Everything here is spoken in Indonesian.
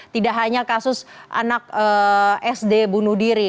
tidak hanya kasus anak sd bunuh diri